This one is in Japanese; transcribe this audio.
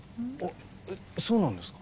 えっそうなんですか？